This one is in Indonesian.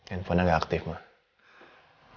handphone nya gak aktif mah